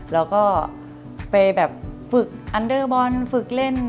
เราก็ไปฝึกอันเดอร์บอลฝึกเล่น